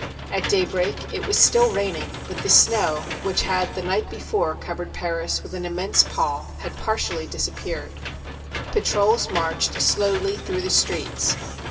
At daybreak it still was raining, but the snow, which had the night before covered Paris with an immense pall, had partially disappeared. Patrols marched slowly through the streets.